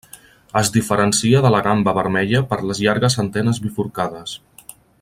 Es diferencia de la gamba vermella per les llargues antenes bifurcades.